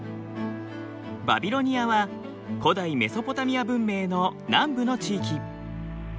バビロニアは古代メソポタミア文明の南部の地域。